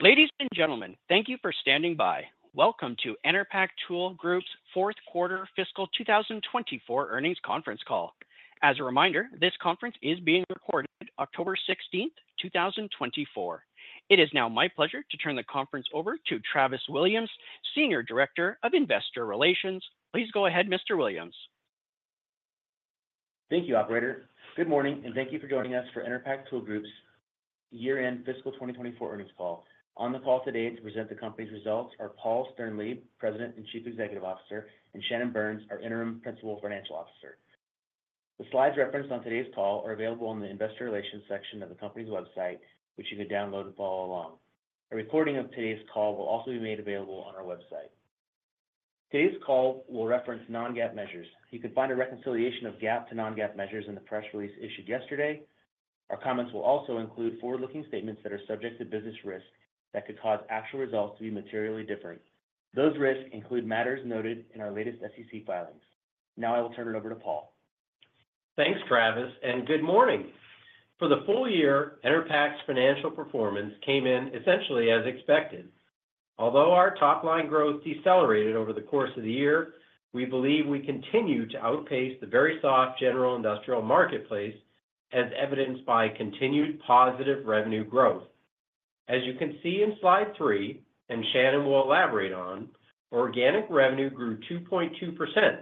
Ladies and gentlemen, thank you for standing by. Welcome to Enerpac Tool Group's fourth quarter fiscal 2024 earnings conference call. As a reminder, this conference is being recorded, October 16, 2024. It is now my pleasure to turn the conference over to Travis Williams, Senior Director of Investor Relations. Please go ahead, Mr. Williams. Thank you, operator. Good morning, and thank you for joining us for Enerpac Tool Group's year-end fiscal 2024 earnings call. On the call today to present the company's results are Paul Sternlieb, President and Chief Executive Officer, and Shannon Burns, our Interim Principal Financial Officer. The slides referenced on today's call are available on the investor relations section of the company's website, which you can download and follow along. A recording of today's call will also be made available on our website. Today's call will reference non-GAAP measures. You can find a reconciliation of GAAP to non-GAAP measures in the press release issued yesterday. Our comments will also include forward-looking statements that are subject to business risks that could cause actual results to be materially different. Those risks include matters noted in our latest SEC filings. Now, I will turn it over to Paul. Thanks, Travis, and good morning. For the full year, Enerpac's financial performance came in essentially as expected. Although our top-line growth decelerated over the course of the year, we believe we continue to outpace the very soft general industrial marketplace, as evidenced by continued positive revenue growth. As you can see in slide 3, and Shannon will elaborate on, organic revenue grew 2.2%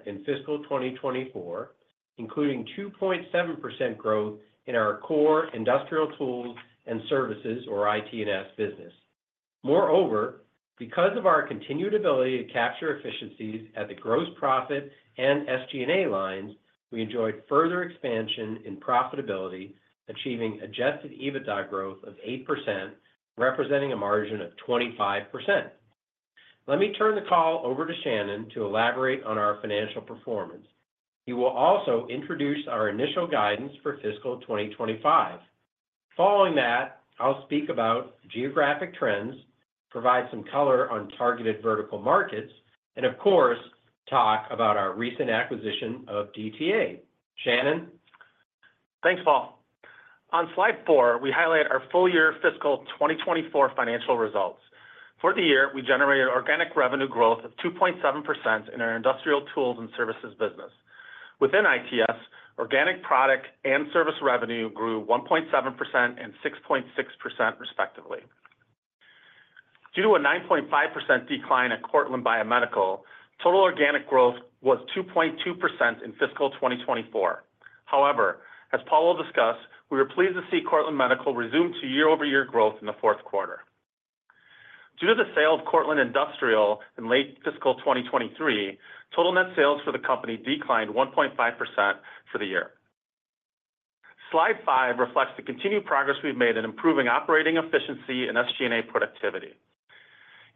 in fiscal 2024, including 2.7% growth in our core industrial tools and services or IT&S business. Moreover, because of our continued ability to capture efficiencies at the gross profit and SG&A lines, we enjoyed further expansion in profitability, achieving adjusted EBITDA growth of 8%, representing a margin of 25%. Let me turn the call over to Shannon to elaborate on our financial performance. He will also introduce our initial guidance for fiscal 2025. Following that, I'll speak about geographic trends, provide some color on targeted vertical markets, and of course, talk about our recent acquisition of DTA. Shannon? Thanks, Paul. On Slide 4, we highlight our full year fiscal 2024 financial results. For the year, we generated organic revenue growth of 2.7% in our industrial tools and services business. Within ITS, organic product and service revenue grew 1.7% and 6.6%, respectively. Due to a 9.5% decline at Cortland Biomedical, total organic growth was 2.2% in fiscal 2024. However, as Paul will discuss, we were pleased to see Cortland Biomedical resume to year-over-year growth in the fourth quarter. Due to the sale of Cortland Industrial in late fiscal 2023, total net sales for the company declined 1.5% for the year. Slide 5 reflects the continued progress we've made in improving operating efficiency and SG&A productivity.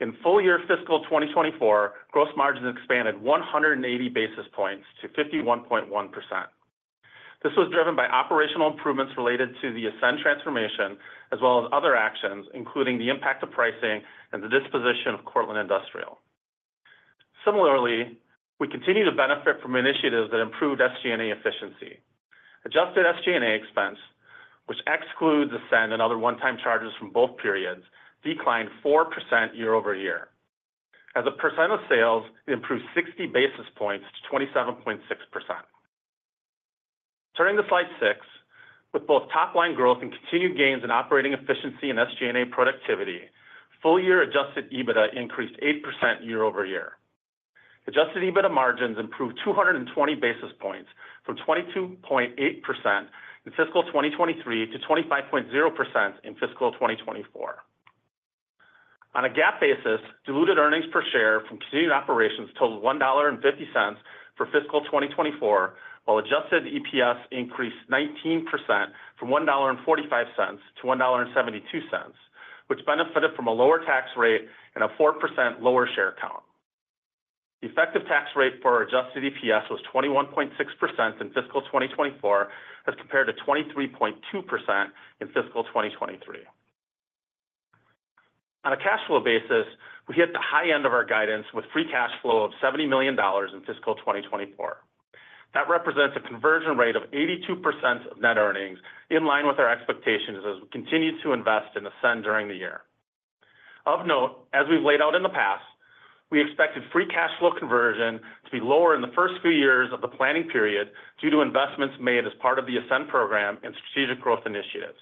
In full-year fiscal 2024, gross margins expanded 180 basis points to 51.1%. This was driven by operational improvements related to the Ascend transformation, as well as other actions, including the impact of pricing and the disposition of Cortland Industrial. Similarly, we continue to benefit from initiatives that improved SG&A efficiency. Adjusted SG&A expense, which excludes Ascend and other one-time charges from both periods, declined 4% year-over-year. As a percent of sales, it improved 60 basis points to 27.6%. Turning to Slide 6, with both top-line growth and continued gains in operating efficiency and SG&A productivity, full-year adjusted EBITDA increased 8% year-over-year. Adjusted EBITDA margins improved 220 basis points from 22.8% in fiscal 2023 to 25.0% in fiscal 2024. On a GAAP basis, diluted earnings per share from continued operations totaled $1.50 for fiscal 2024, while adjusted EPS increased 19% from $1.45-$1.72, which benefited from a lower tax rate and a 4% lower share count. The effective tax rate for our adjusted EPS was 21.6% in fiscal 2024, as compared to 23.2% in fiscal 2023. On a cash flow basis, we hit the high end of our guidance with free cash flow of $70 million in fiscal 2024. That represents a conversion rate of 82% of net earnings, in line with our expectations as we continued to invest in Ascend during the year. Of note, as we've laid out in the past, we expected Free Cash Flow conversion to be lower in the first few years of the planning period due to investments made as part of the Ascend program and strategic growth initiatives.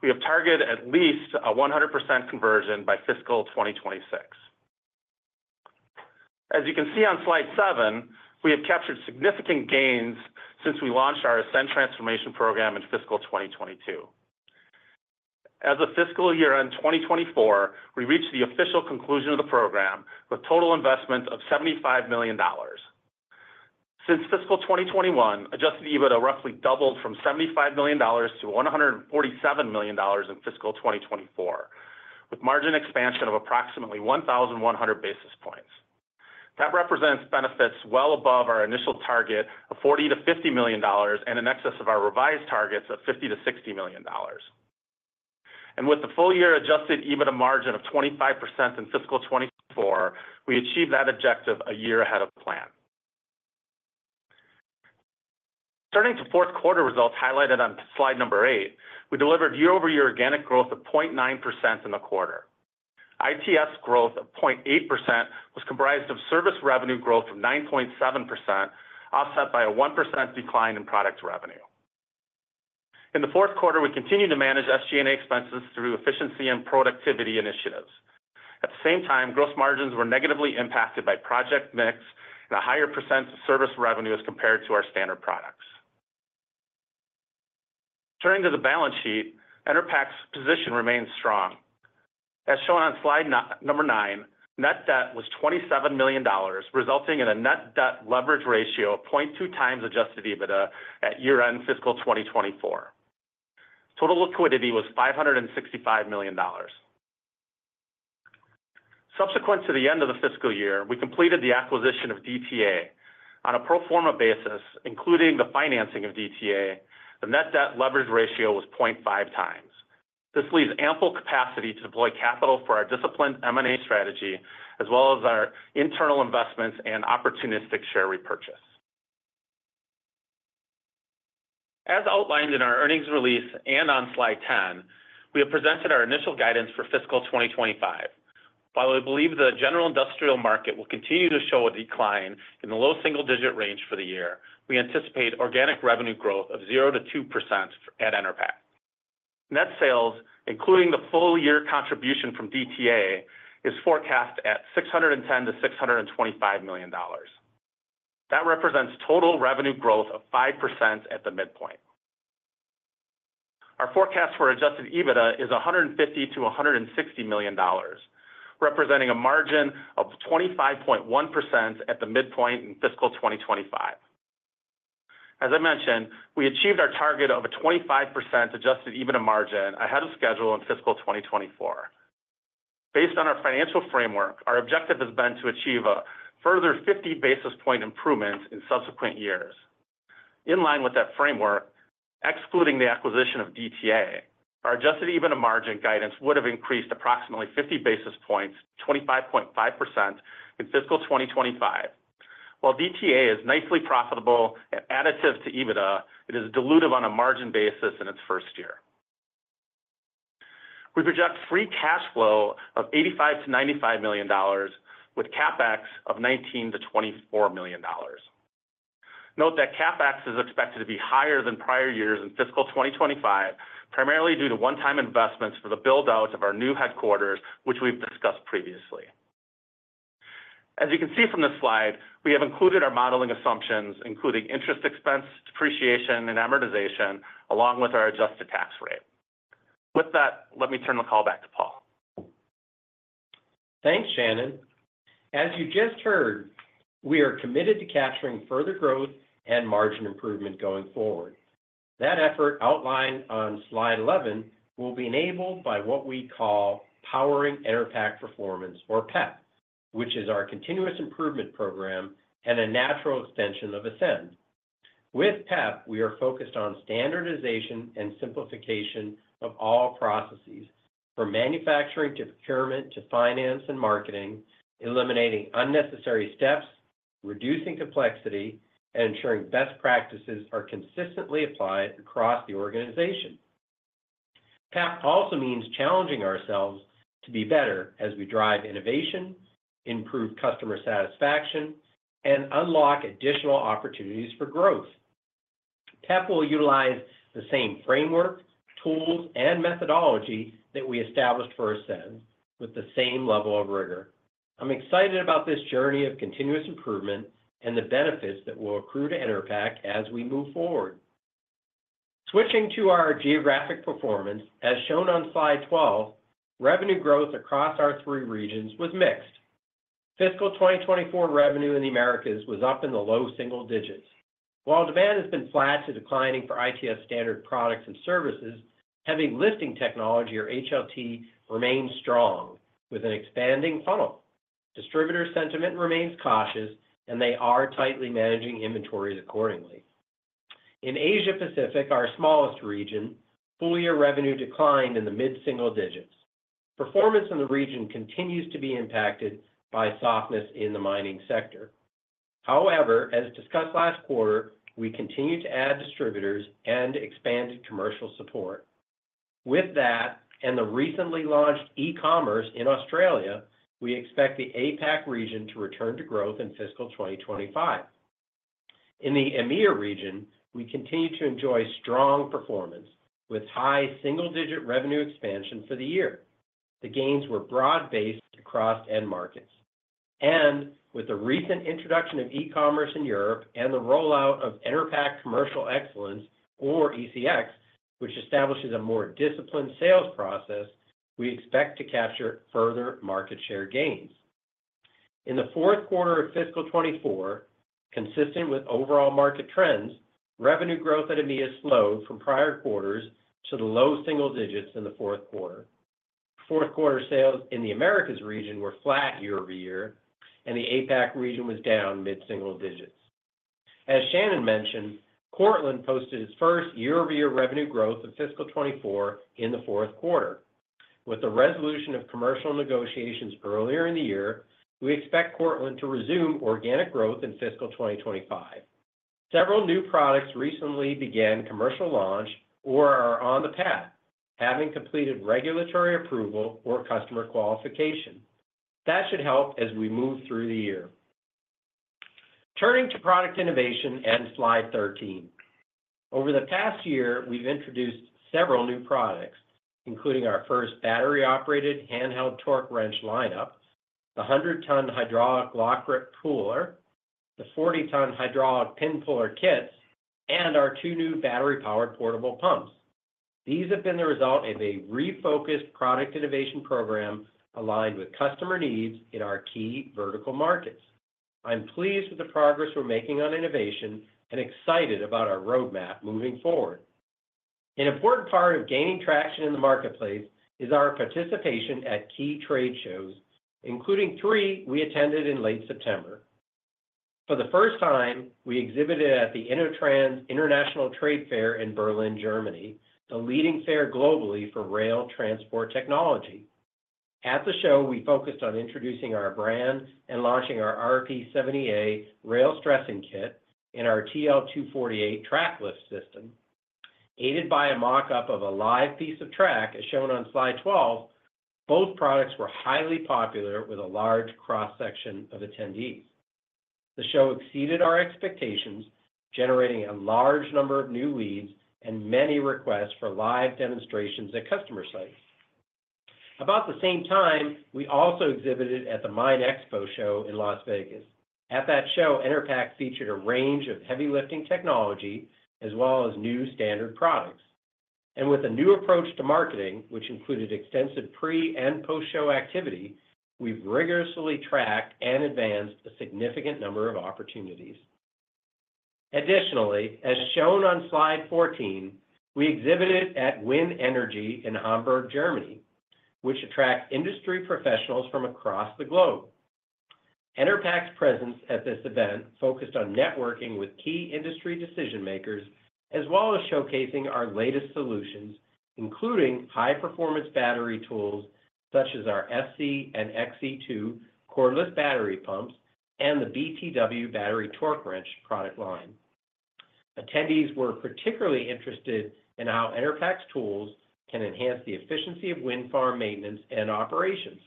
We have targeted at least a 100% conversion by fiscal 2026. As you can see on slide seven, we have captured significant gains since we launched our Ascend transformation program in fiscal 2022. As of fiscal year-end 2024, we reached the official conclusion of the program with total investments of $75 million. Since fiscal 2021, Adjusted EBITDA roughly doubled from $75 million-$147 million in fiscal 2024, with margin expansion of approximately 1,100 basis points. That represents benefits well above our initial target of $40-$50 million and in excess of our revised targets of $50 million-$60 million, and with the full-year Adjusted EBITDA margin of 25% in fiscal 2024, we achieved that objective a year ahead of plan. Turning to fourth quarter results highlighted on slide 8, we delivered year-over-year organic growth of 0.9% in the quarter. ITS growth of 0.8% was comprised of service revenue growth of 9.7%, offset by a 1% decline in product revenue. In the fourth quarter, we continued to manage SG&A expenses through efficiency and productivity initiatives. At the same time, gross margins were negatively impacted by project mix and a higher percent of service revenue as compared to our standard products. Turning to the balance sheet, Enerpac's position remains strong. As shown on slide number nine, net debt was $27 million, resulting in a net debt leverage ratio of 0.2x adjusted EBITDA at year-end fiscal 2024. Total liquidity was $565 million. Subsequent to the end of the fiscal year, we completed the acquisition of DTA on a pro forma basis, including the financing of DTA, the net debt leverage ratio was 0.5x. This leaves ample capacity to deploy capital for our disciplined M&A strategy, as well as our internal investments and opportunistic share repurchase. As outlined in our earnings release and on slide ten, we have presented our initial guidance for fiscal 2025. While we believe the general industrial market will continue to show a decline in the low single-digit range for the year, we anticipate organic revenue growth of 0%-2% at Enerpac. Net sales, including the full year contribution from DTA, is forecast at $610 million-$625 million. That represents total revenue growth of 5% at the midpoint. Our forecast for adjusted EBITDA is $150 million-$160 million, representing a margin of 25.1% at the midpoint in fiscal 2025. As I mentioned, we achieved our target of a 25% adjusted EBITDA margin ahead of schedule in fiscal 2024. Based on our financial framework, our objective has been to achieve a further 50 basis points improvement in subsequent years. In line with that framework, excluding the acquisition of DTA, our adjusted EBITDA margin guidance would have increased approximately 50 basis points, 25.5% in fiscal 2025. While DTA is nicely profitable and additive to EBITDA, it is dilutive on a margin basis in its first year. We project free cash flow of $85 million-$95 million, with CapEx of $19 million-$24 million. Note that CapEx is expected to be higher than prior years in fiscal 2025, primarily due to one-time investments for the build-out of our new headquarters, which we've discussed previously. As you can see from this slide, we have included our modeling assumptions, including interest expense, depreciation, and amortization, along with our adjusted tax rate. With that, let me turn the call back to Paul. Thanks, Shannon. As you just heard, we are committed to capturing further growth and margin improvement going forward. That effort, outlined on slide 11, will be enabled by what we call Powering Enerpac Performance, or PEP, which is our continuous improvement program and a natural extension of Ascend. With PEP, we are focused on standardization and simplification of all processes, from manufacturing to procurement to finance and marketing, eliminating unnecessary steps, reducing complexity, and ensuring best practices are consistently applied across the organization. PEP also means challenging ourselves to be better as we drive innovation, improve customer satisfaction, and unlock additional opportunities for growth. PEP will utilize the same framework, tools, and methodology that we established for Ascend with the same level of rigor. I'm excited about this journey of continuous improvement and the benefits that will accrue to Enerpac as we move forward. Switching to our geographic performance, as shown on slide 12, revenue growth across our three regions was mixed. Fiscal 2024 revenue in the Americas was up in the low single digits. While demand has been flat to declining for ITS standard products and services, heavy lifting technology, or HLT, remains strong with an expanding funnel. Distributor sentiment remains cautious, and they are tightly managing inventories accordingly. In Asia Pacific, our smallest region, full year revenue declined in the mid single digits. Performance in the region continues to be impacted by softness in the mining sector. However, as discussed last quarter, we continue to add distributors and expand commercial support. With that, and the recently launched e-commerce in Australia, we expect the APAC region to return to growth in fiscal 2025. In the EMEA region, we continue to enjoy strong performance, with high single-digit revenue expansion for the year. The gains were broad-based across end markets. And with the recent introduction of e-commerce in Europe and the rollout of Enerpac Commercial Excellence, or ECX, which establishes a more disciplined sales process, we expect to capture further market share gains. In the fourth quarter of fiscal 2024, consistent with overall market trends, revenue growth at EMEA slowed from prior quarters to the low single digits in the fourth quarter. Fourth quarter sales in the Americas region were flat year-over-year, and the APAC region was down mid-single digits. As Shannon mentioned, Cortland posted its first year-over-year revenue growth of fiscal 2024 in the fourth quarter. With the resolution of commercial negotiations earlier in the year, we expect Cortland to resume organic growth in fiscal 2025. Several new products recently began commercial launch or are on the path, having completed regulatory approval or customer qualification. That should help as we move through the year. Turning to product innovation and slide 13. Over the past year, we've introduced several new products, including our first battery-operated handheld torque wrench lineup, the 100-Ton Hydraulic Lock Grip Puller, the 40-Ton Hydraulic Pin Puller Kits, and our two new battery-powered portable pumps. These have been the result of a refocused product innovation program aligned with customer needs in our key vertical markets. I'm pleased with the progress we're making on innovation and excited about our roadmap moving forward. An important part of gaining traction in the marketplace is our participation at key trade shows, including three we attended in late September. For the first time, we exhibited at the InnoTrans International Trade Fair in Berlin, Germany, the leading fair globally for rail transport technology. At the show, we focused on introducing our brand and launching our RP70A rail stressing kit and our TL248 track lift system, aided by a mock-up of a live piece of track, as shown on slide 12. Both products were highly popular with a large cross-section of attendees. The show exceeded our expectations, generating a large number of new leads and many requests for live demonstrations at customer sites. About the same time, we also exhibited at the MINExpo show in Las Vegas. At that show, Enerpac featured a range of heavy lifting technology, as well as new standard products. And with a new approach to marketing, which included extensive pre- and post-show activity, we've rigorously tracked and advanced a significant number of opportunities. Additionally, as shown on slide fourteen, we exhibited at WindEnergy in Hamburg, Germany, which attracts industry professionals from across the globe. Enerpac's presence at this event focused on networking with key industry decision-makers, as well as showcasing our latest solutions, including high-performance battery tools such as our SC and XC cordless battery pumps and the BTW battery torque wrench product line. Attendees were particularly interested in how Enerpac's tools can enhance the efficiency of wind farm maintenance and operations.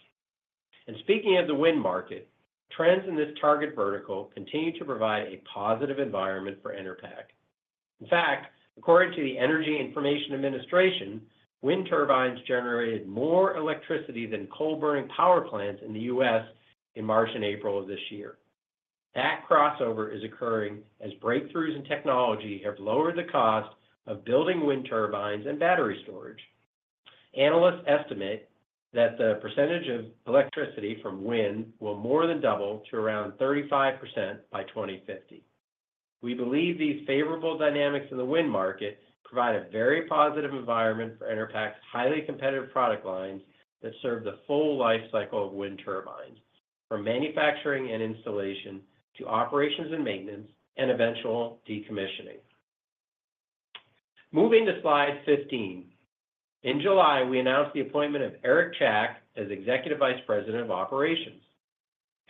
And speaking of the wind market, trends in this target vertical continue to provide a positive environment for Enerpac. In fact, according to the Energy Information Administration, wind turbines generated more electricity than coal-burning power plants in the U.S. in March and April of this year. That crossover is occurring as breakthroughs in technology have lowered the cost of building wind turbines and battery storage. Analysts estimate that the percentage of electricity from wind will more than double to around 35% by 2050. We believe these favorable dynamics in the wind market provide a very positive environment for Enerpac's highly competitive product lines that serve the full life cycle of wind turbines, from manufacturing and installation to operations and maintenance, and eventual decommissioning. Moving to slide 15. In July, we announced the appointment of Eric Chack as Executive Vice President of Operations.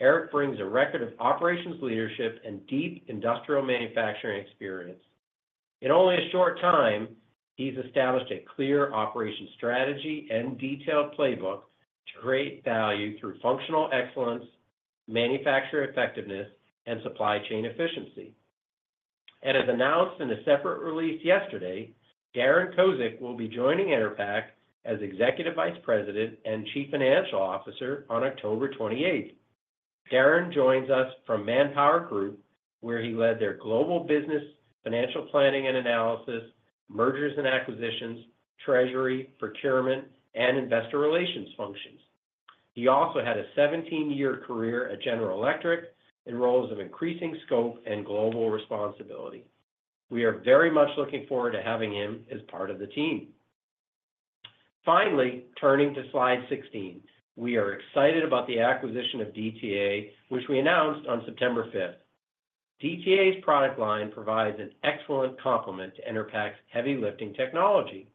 Eric brings a record of operations, leadership, and deep industrial manufacturing experience. In only a short time, he's established a clear operation strategy and detailed playbook to create value through functional excellence, manufacturer effectiveness, and supply chain efficiency, and as announced in a separate release yesterday, Darren Kozik will be joining Enerpac as Executive Vice President and Chief Financial Officer on October 28th. Darren joins us from ManpowerGroup, where he led their global business, financial planning and analysis, mergers and acquisitions, treasury, procurement, and investor relations functions. He also had a 17-year career at General Electric in roles of increasing scope and global responsibility. We are very much looking forward to having him as part of the team. Finally, turning to Slide 16, we are excited about the acquisition of DTA, which we announced on September 5th. DTA's product line provides an excellent complement to Enerpac's heavy lifting technology.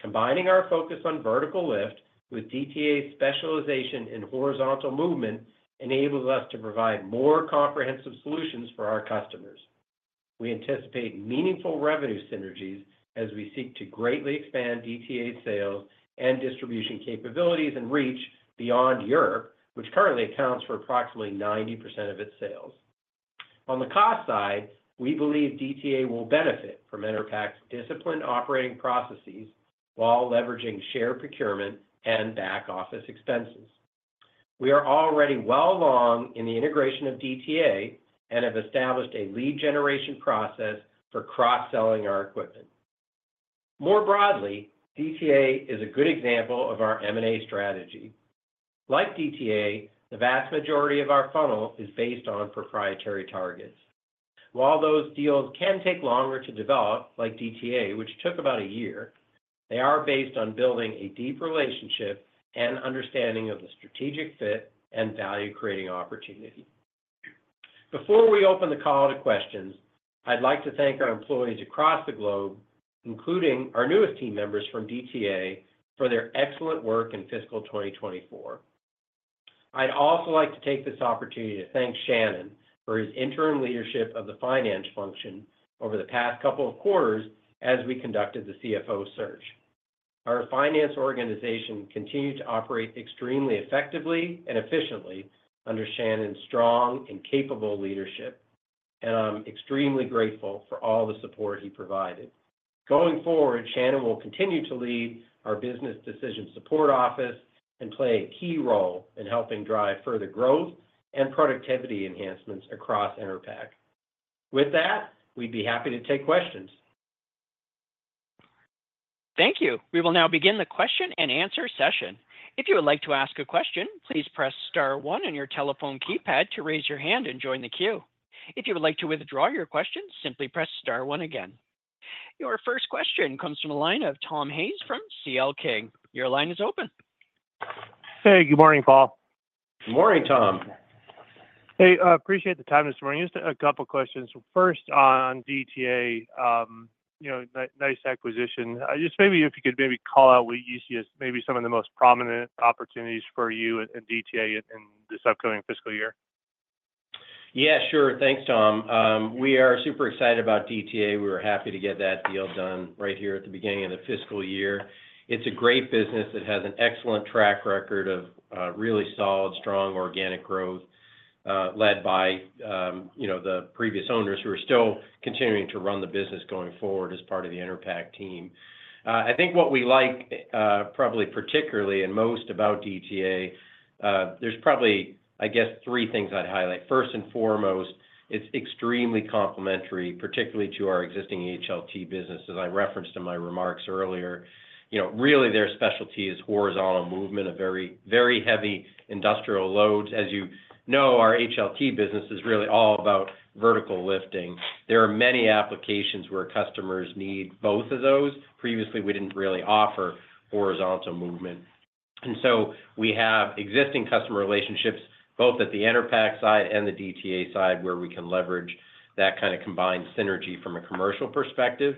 Combining our focus on vertical lift with DTA's specialization in horizontal movement enables us to provide more comprehensive solutions for our customers. We anticipate meaningful revenue synergies as we seek to greatly expand DTA sales and distribution capabilities and reach beyond Europe, which currently accounts for approximately 90% of its sales. On the cost side, we believe DTA will benefit from Enerpac's disciplined operating processes while leveraging shared procurement and back office expenses. We are already well along in the integration of DTA and have established a lead generation process for cross-selling our equipment. More broadly, DTA is a good example of our M&A strategy. Like DTA, the vast majority of our funnel is based on proprietary targets. While those deals can take longer to develop, like DTA, which took about a year, they are based on building a deep relationship and understanding of the strategic fit and value-creating opportunity.... Before we open the call to questions, I'd like to thank our employees across the globe, including our newest team members from DTA, for their excellent work in fiscal 2024. I'd also like to take this opportunity to thank Shannon for his interim leadership of the finance function over the past couple of quarters as we conducted the CFO search. Our finance organization continued to operate extremely effectively and efficiently under Shannon's strong and capable leadership, and I'm extremely grateful for all the support he provided. Going forward, Shannon will continue to lead our business decision support office and play a key role in helping drive further growth and productivity enhancements across Enerpac. With that, we'd be happy to take questions. Thank you. We will now begin the question and answer session. If you would like to ask a question, please press star one on your telephone keypad to raise your hand and join the queue. If you would like to withdraw your question, simply press star one again. Your first question comes from the line of Tom Hayes from CL King. Your line is open. Hey, good morning, Paul. Good morning, Tom. Hey, appreciate the time this morning. Just a couple questions. First, on DTA, you know, nice acquisition. Just maybe if you could maybe call out what you see as maybe some of the most prominent opportunities for you and DTA in this upcoming fiscal year. Yeah, sure. Thanks, Tom. We are super excited about DTA. We were happy to get that deal done right here at the beginning of the fiscal year. It's a great business that has an excellent track record of really solid, strong, organic growth, led by the previous owners, who are still continuing to run the business going forward as part of the Enerpac team. I think what we like, probably particularly and most about DTA, there's probably three things I'd highlight. First and foremost, it's extremely complementary, particularly to our existing HLT business, as I referenced in my remarks earlier. You know, really, their specialty is horizontal movement of very, very heavy industrial loads. As you know, our HLT business is really all about vertical lifting. There are many applications where customers need both of those. Previously, we didn't really offer horizontal movement. And so we have existing customer relationships, both at the Enerpac side and the DTA side, where we can leverage that kind of combined synergy from a commercial perspective.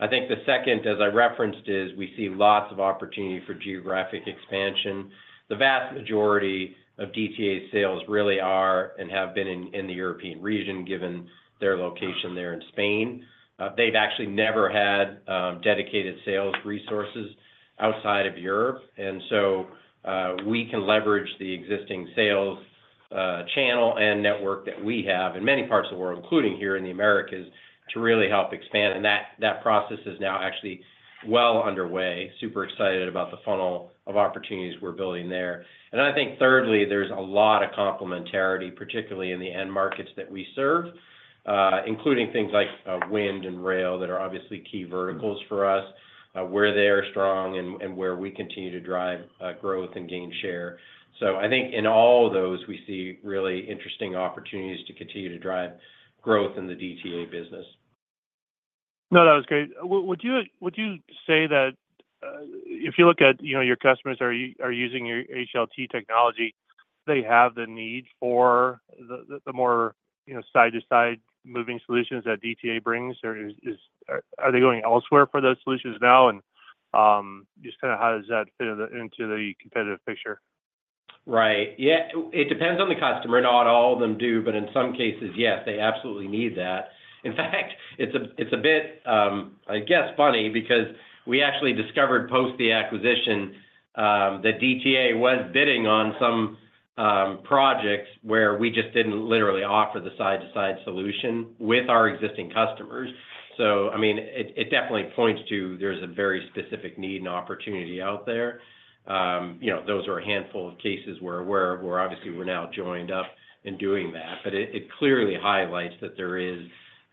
I think the second, as I referenced, is we see lots of opportunity for geographic expansion. The vast majority of DTA sales really are, and have been in the European region, given their location there in Spain. They've actually never had dedicated sales resources outside of Europe, and so we can leverage the existing sales channel and network that we have in many parts of the world, including here in the Americas, to really help expand. And that process is now actually well underway. Super excited about the funnel of opportunities we're building there. And then I think thirdly, there's a lot of complementarity, particularly in the end markets that we serve, including things like wind and rail, that are obviously key verticals for us, where they are strong and where we continue to drive growth and gain share. So I think in all of those, we see really interesting opportunities to continue to drive growth in the DTA business. No, that was great. Would you say that if you look at, you know, your customers are using your HLT technology, they have the need for the more, you know, side-to-side moving solutions that DTA brings? Or are they going elsewhere for those solutions now? And just kind of how does that fit into the competitive picture? Right. Yeah, it depends on the customer. Not all of them do, but in some cases, yes, they absolutely need that. In fact, it's a bit, I guess, funny, because we actually discovered post the acquisition that DTA was bidding on some projects where we just didn't literally offer the side-to-side solution with our existing customers. So I mean, it definitely points to there's a very specific need and opportunity out there. You know, those are a handful of cases we're aware of, where obviously we're now joined up in doing that. But it clearly highlights that there is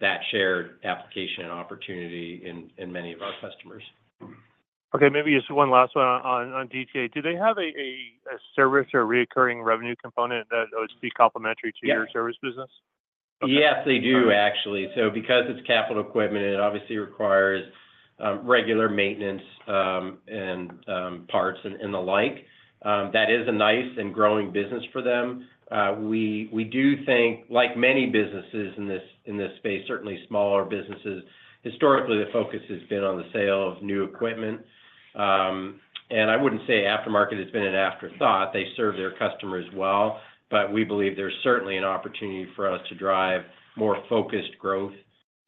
that shared application and opportunity in many of our customers. Okay, maybe just one last one on DTA. Do they have a service or recurring revenue component that would be complementary- Yeah... to your service business? Yes, they do actually. Okay. So because it's capital equipment, it obviously requires regular maintenance, and parts and the like. That is a nice and growing business for them. We do think, like many businesses in this space, certainly smaller businesses, historically, the focus has been on the sale of new equipment. And I wouldn't say aftermarket has been an afterthought. They serve their customers well, but we believe there's certainly an opportunity for us to drive more focused growth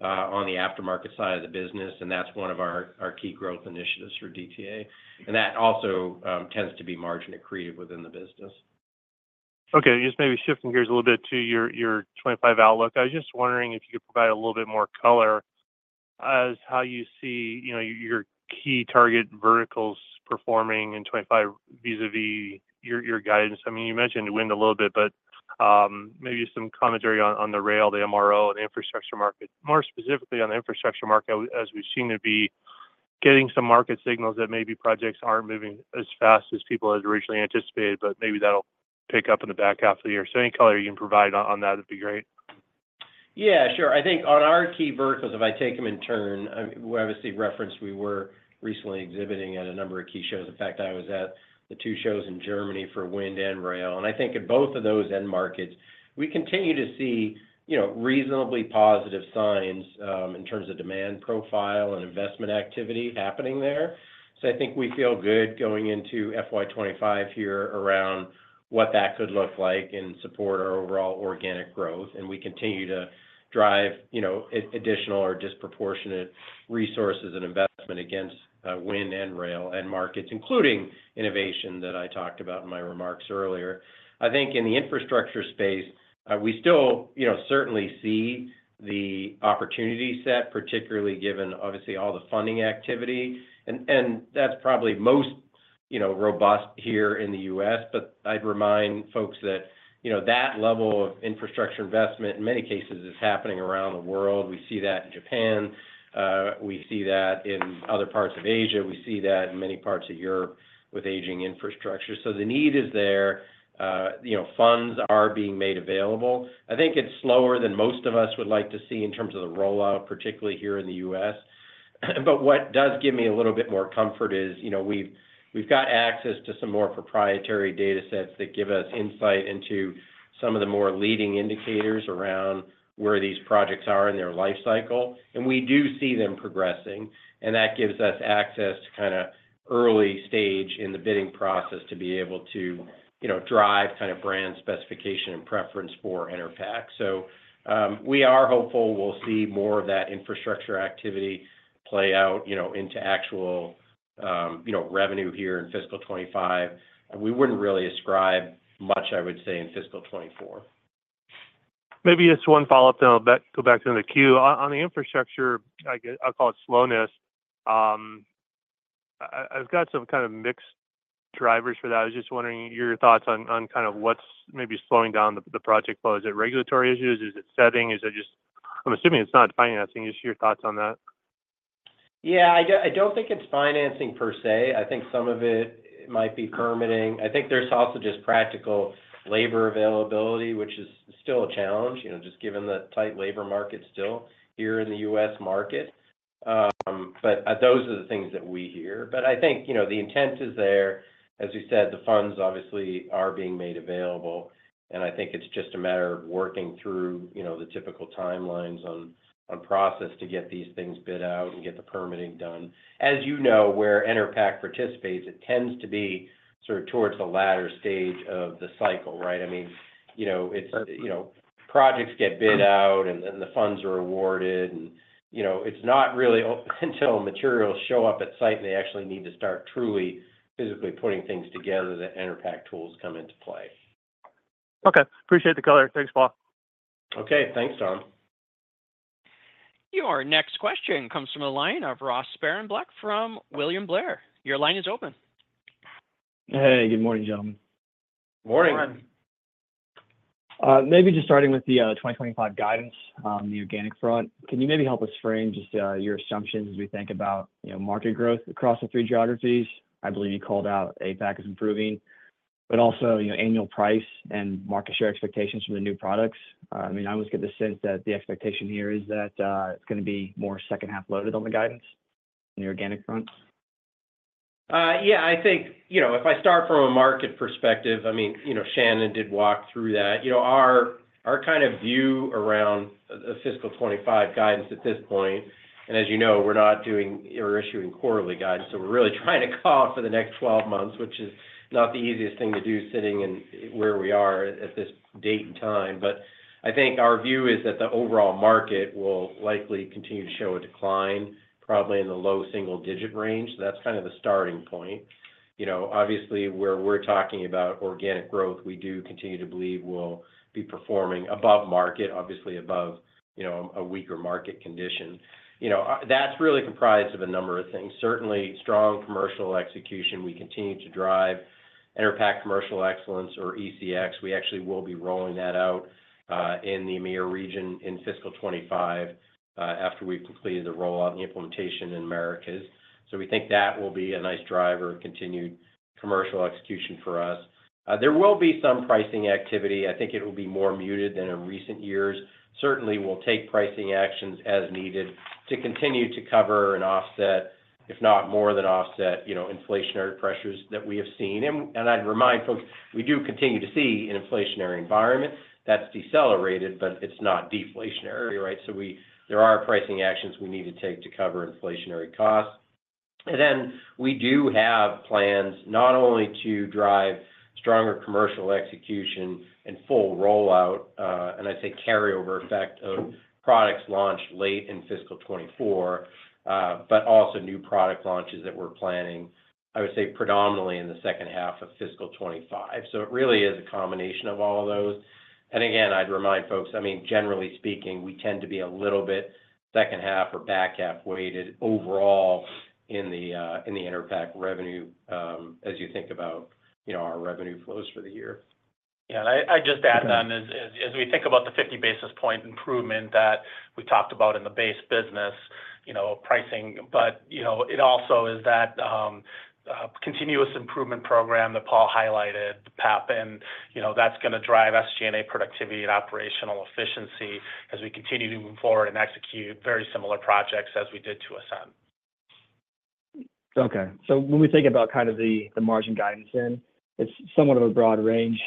on the aftermarket side of the business, and that's one of our key growth initiatives for DTA. And that also tends to be margin accretive within the business. Okay, just maybe shifting gears a little bit to your 2025 outlook. I was just wondering if you could provide a little bit more color as how you see, you know, your key target verticals performing in 2025, vis-a-vis your guidance. I mean, you mentioned wind a little bit, but maybe some commentary on the rail, the MRO, and infrastructure market. More specifically on the infrastructure market, as we seem to be getting some market signals that maybe projects aren't moving as fast as people had originally anticipated, but maybe that'll pick up in the back half of the year. So any color you can provide on that would be great. .Yeah, sure. I think on our key verticals, if I take them in turn, we obviously referenced we were recently exhibiting at a number of key shows. In fact, I was at the two shows in Germany for wind and rail. And I think in both of those end markets, we continue to see, you know, reasonably positive signs, in terms of demand profile and investment activity happening there. So I think we feel good going into FY 2025 here around what that could look like and support our overall organic growth, and we continue to drive, you know, additional or disproportionate resources and investment against, wind and rail end markets, including innovation that I talked about in my remarks earlier. I think in the infrastructure space, we still, you know, certainly see the opportunity set, particularly given obviously all the funding activity. That's probably most, you know, robust here in the U.S., but I'd remind folks that, you know, that level of infrastructure investment, in many cases, is happening around the world. We see that in Japan. We see that in other parts of Asia. We see that in many parts of Europe with aging infrastructure. So the need is there. You know, funds are being made available. I think it's slower than most of us would like to see in terms of the rollout, particularly here in the U.S. But what does give me a little bit more comfort is, you know, we've got access to some more proprietary datasets that give us insight into some of the more leading indicators around where these projects are in their life cycle, and we do see them progressing. That gives us access to kinda early stage in the bidding process to be able to, you know, drive kind of brand specification and preference for Enerpac. We are hopeful we'll see more of that infrastructure activity play out, you know, into actual, you know, revenue here in fiscal 2025. We wouldn't really ascribe much, I would say, in fiscal 2024. Maybe just one follow-up, then I'll go back to the queue. On the infrastructure, I'll call it slowness. I've got some kind of mixed drivers for that. I was just wondering your thoughts on kind of what's maybe slowing down the project flow. Is it regulatory issues? Is it setting? Is it just... I'm assuming it's not financing. Just your thoughts on that? Yeah, I don't think it's financing per se. I think some of it might be permitting. I think there's also just practical labor availability, which is still a challenge, you know, just given the tight labor market still here in the U.S. market. But those are the things that we hear. But I think, you know, the intent is there. As you said, the funds obviously are being made available, and I think it's just a matter of working through, you know, the typical timelines on process to get these things bid out and get the permitting done. As you know, where Enerpac participates, it tends to be sort of towards the latter stage of the cycle, right? I mean, you know, it's, you know, projects get bid out, and then the funds are awarded, and, you know, it's not really until materials show up at site, and they actually need to start truly, physically putting things together, that Enerpac tools come into play. Okay. Appreciate the color. Thanks, Paul. Okay. Thanks, Tom. Your next question comes from the line of Ross Sparenberg from William Blair. Your line is open. Hey, good morning, gentlemen. Morning. Morning. Maybe just starting with the twenty twenty-five guidance on the organic front, can you maybe help us frame just your assumptions as we think about, you know, market growth across the three geographies? I believe you called out APAC as improving, but also, your annual price and market share expectations from the new products. I mean, I always get the sense that the expectation here is that it's gonna be more second half loaded on the guidance on the organic front. Yeah, I think, you know, if I start from a market perspective, I mean, you know, Shannon did walk through that. You know, our kind of view around the fiscal 2025 guidance at this point, and as you know, we're not doing or issuing quarterly guidance, so we're really trying to call for the next 12 months, which is not the easiest thing to do, sitting in where we are at this date and time. But I think our view is that the overall market will likely continue to show a decline, probably in the low single-digit range. So that's kind of the starting point. You know, obviously, where we're talking about organic growth, we do continue to believe we'll be performing above market, obviously above, you know, a weaker market condition. You know, that's really comprised of a number of things. Certainly, strong commercial execution. We continue to drive Enerpac Commercial Excellence, or ECX. We actually will be rolling that out in the EMEA region in fiscal 2025 after we've completed the rollout and the implementation in Americas. So we think that will be a nice driver of continued commercial execution for us. There will be some pricing activity. I think it will be more muted than in recent years. Certainly, we'll take pricing actions as needed to continue to cover and offset, if not more than offset, you know, inflationary pressures that we have seen. And I'd remind folks, we do continue to see an inflationary environment that's decelerated, but it's not deflationary, right? So there are pricing actions we need to take to cover inflationary costs. And then we do have plans not only to drive stronger commercial execution and full rollout, and I'd say carryover effect of products launched late in fiscal 2024, but also new product launches that we're planning, I would say, predominantly in the second half of fiscal 2025. So it really is a combination of all of those. And again, I'd remind folks, I mean, generally speaking, we tend to be a little bit second half or back half weighted overall in the Enerpac revenue, as you think about, you know, our revenue flows for the year. Yeah, and I'd just add on, as we think about the 50 basis points improvement that we talked about in the base business, you know, pricing, but, you know, it also is that continuous improvement program that Paul highlighted, the PEP, and, you know, that's gonna drive SG&A productivity and operational efficiency as we continue to move forward and execute very similar projects as we did to Ascend. Okay. So when we think about kind of the margin guidance in, it's somewhat of a broad range.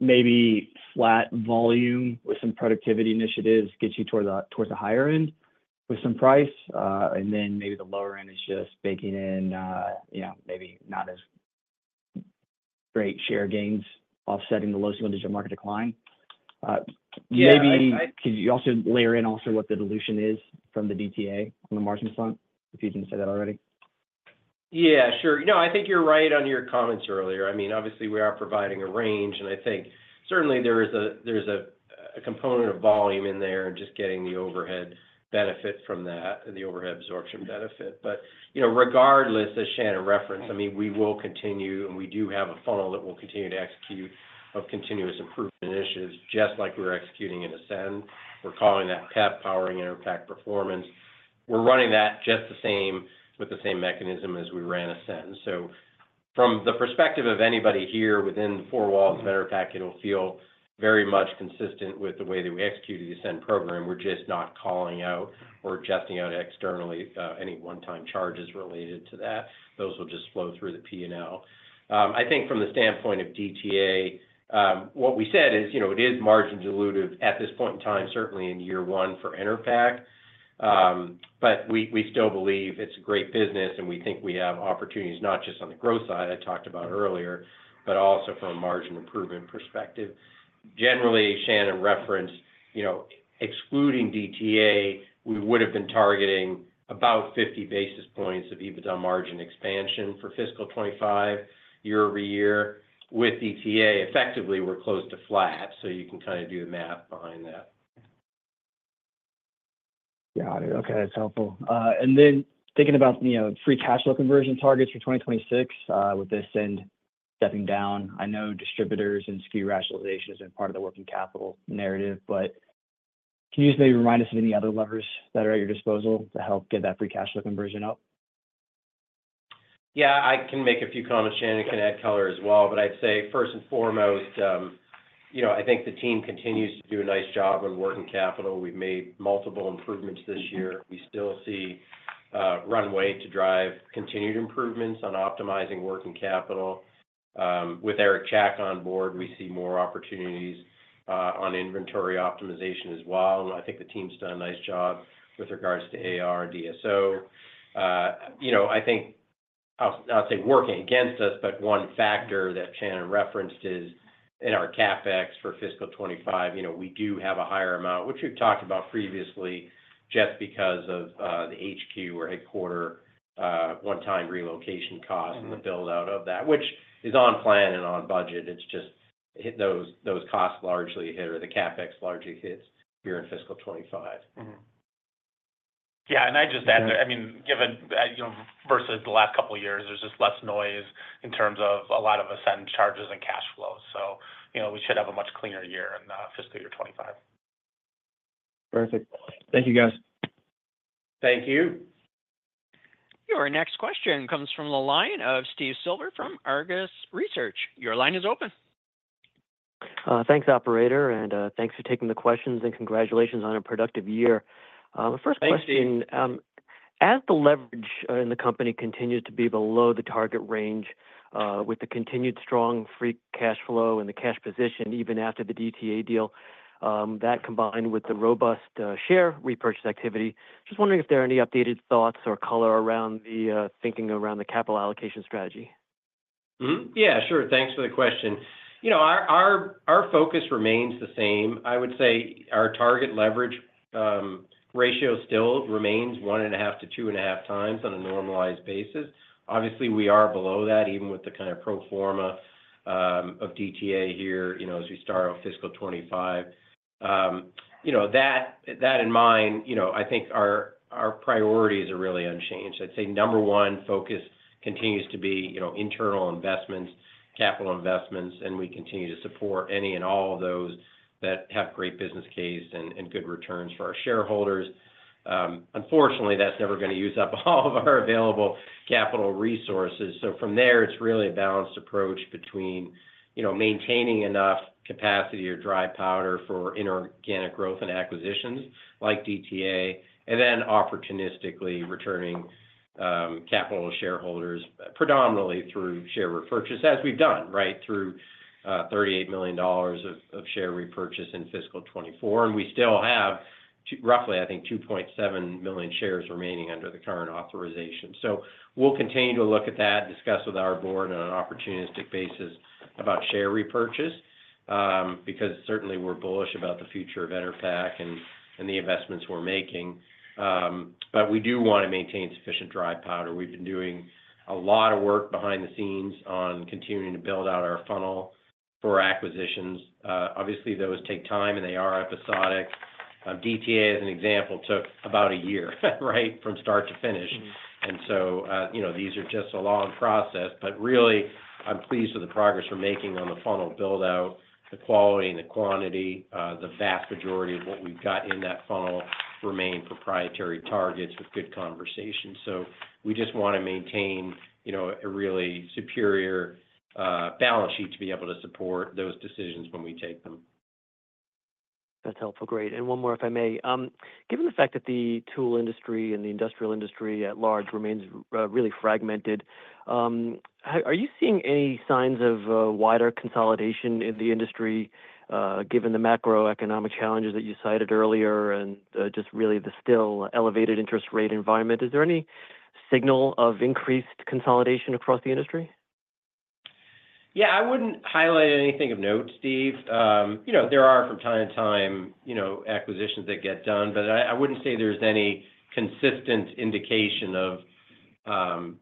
Maybe flat volume with some productivity initiatives gets you towards the higher end with some price, and then maybe the lower end is just baking in, you know, maybe not as great share gains offsetting the low single-digit market decline. Yeah, I- Maybe could you also layer in what the dilution is from the DTA on the margin front, if you didn't say that already? Yeah, sure. No, I think you're right on your comments earlier. I mean, obviously, we are providing a range, and I think certainly there is a component of volume in there and just getting the overhead benefit from that and the overhead absorption benefit. But, you know, regardless, as Shannon referenced, I mean, we will continue, and we do have a funnel that will continue to execute of continuous improvement initiatives, just like we were executing in Ascend. We're calling that PEP, Powering Enerpac Performance. We're running that just the same, with the same mechanism as we ran Ascend. So from the perspective of anybody here within the four walls of Enerpac, it'll feel very much consistent with the way that we executed the Ascend program. We're just not calling out or adjusting out externally any one-time charges related to that. Those will just flow through the P&L. I think from the standpoint of DTA, what we said is, you know, it is margin dilutive at this point in time, certainly in year one for Enerpac. But we, we still believe it's a great business, and we think we have opportunities, not just on the growth side I talked about earlier, but also from a margin improvement perspective. Generally, Shannon referenced, you know, excluding DTA, we would've been targeting about fifty basis points of EBITDA margin expansion for fiscal 2025, year-over-year. With DTA, effectively, we're close to flat, so you can kind of do the math behind that. Got it. Okay, that's helpful. And then thinking about, you know, free cash flow conversion targets for 2026, with Ascend stepping down, I know distributors and SKU rationalization has been part of the working capital narrative, but can you just maybe remind us of any other levers that are at your disposal to help get that free cash flow conversion up? Yeah, I can make a few comments, Shannon can add color as well. But I'd say, first and foremost, you know, I think the team continues to do a nice job on working capital. We've made multiple improvements this year. We still see runway to drive continued improvements on optimizing working capital. With Eric Chack on board, we see more opportunities on inventory optimization as well, and I think the team's done a nice job with regards to AR and DSO. You know, I think I'll, I'll say working against us, but one factor that Shannon referenced is in our CapEx for fiscal 2025, you know, we do have a higher amount, which we've talked about previously, just because of the HQ or headquarters one-time relocation cost. Mm-hmm... and the build-out of that, which is on plan and on budget. It's just, those costs largely hit, or the CapEx largely hits here in fiscal 2025. Mm-hmm. Yeah, and I'd just add, I mean, given, you know, versus the last couple of years, there's just less noise in terms of a lot of Ascend charges and cash flows. So, you know, we should have a much cleaner year in, fiscal year 2025. Perfect. Thank you, guys. Thank you. Your next question comes from the line of Steve Silver from Argus Research. Your line is open. Thanks, operator, and thanks for taking the questions, and congratulations on a productive year. Thanks, Steve... first question, as the leverage in the company continues to be below the target range, with the continued strong free cash flow and the cash position, even after the DTA deal, that combined with the robust share repurchase activity, just wondering if there are any updated thoughts or color around the thinking around the capital allocation strategy? Mm-hmm. Yeah, sure. Thanks for the question. You know, our focus remains the same. I would say our target leverage ratio still remains 1.5x-2.5x on a normalized basis. Obviously, we are below that, even with the kind of pro forma of DTA here, you know, as we start off fiscal 2025. You know, that in mind, you know, I think our priorities are really unchanged. I'd say number one focus continues to be, you know, internal investments, capital investments, and we continue to support any and all of those that have great business case and good returns for our shareholders. Unfortunately, that's never gonna use up all of our available capital resources. From there, it's really a balanced approach between, you know, maintaining enough capacity or dry powder for inorganic growth and acquisitions like DTA, and then opportunistically returning capital to shareholders, predominantly through share repurchase, as we've done, right, through $38 million of share repurchase in fiscal 2024. We still have roughly, I think, 2.7 million shares remaining under the current authorization. We'll continue to look at that, discuss with our board on an opportunistic basis about share repurchase, because certainly we're bullish about the future of Enerpac and the investments we're making. But we do want to maintain sufficient dry powder. We've been doing a lot of work behind the scenes on continuing to build out our funnel for acquisitions. Obviously, those take time, and they are episodic. DTA, as an example, took about a year, right, from start to finish, and so, you know, these are just a long process, but really, I'm pleased with the progress we're making on the funnel build-out, the quality and the quantity, the vast majority of what we've got in that funnel remain proprietary targets with good conversation, so we just wanna maintain, you know, a really superior balance sheet to be able to support those decisions when we take them. That's helpful. Great. And one more, if I may. Given the fact that the tool industry and the industrial industry at large remains really fragmented, are you seeing any signs of wider consolidation in the industry, given the macroeconomic challenges that you cited earlier, and just really the still elevated interest rate environment? Is there any signal of increased consolidation across the industry? Yeah, I wouldn't highlight anything of note, Steve. You know, there are from time to time, you know, acquisitions that get done, but I, I wouldn't say there's any consistent indication of,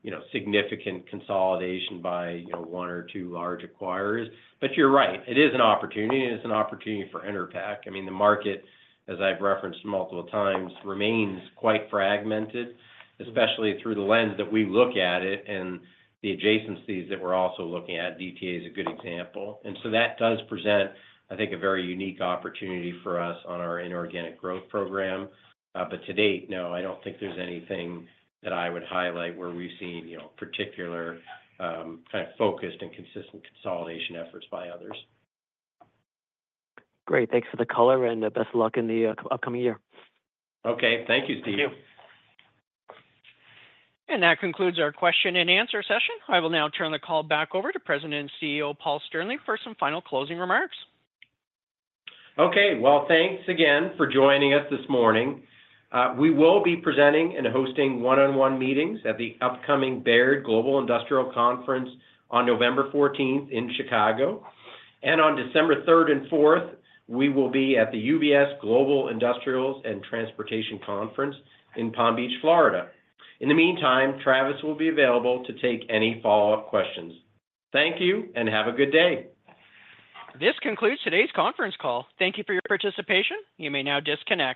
you know, significant consolidation by, you know, one or two large acquirers, but you're right, it is an opportunity, and it's an opportunity for Enerpac. I mean, the market, as I've referenced multiple times, remains quite fragmented, especially through the lens that we look at it and the adjacencies that we're also looking at. DTA is a good example, and so that does present, I think, a very unique opportunity for us on our inorganic growth program, but to date, no, I don't think there's anything that I would highlight where we've seen, you know, particular, kind of focused and consistent consolidation efforts by others. Great. Thanks for the color, and best of luck in the upcoming year. Okay. Thank you, Steve. Thank you. That concludes our question and answer session. I will now turn the call back over to President and CEO, Paul Sternlieb, for some final closing remarks. Okay. Well, thanks again for joining us this morning. We will be presenting and hosting one-on-one meetings at the upcoming Baird Global Industrial Conference on November fourteenth in Chicago. And on December third and fourth, we will be at the UBS Global Industrials and Transportation Conference in Palm Beach, Florida. In the meantime, Travis will be available to take any follow-up questions. Thank you, and have a good day. This concludes today's conference call. Thank you for your participation. You may now disconnect.